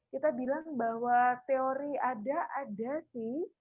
kita bilang bahwa teori ada ada sih